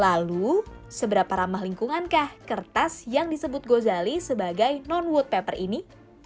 lalu seberapa ramah lingkungankah kertas yang disebut gozali sebagai non wood pepper ini